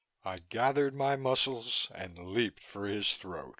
I gathered my muscles and leaped for his throat.